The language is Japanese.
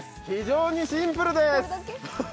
非常にシンプルです。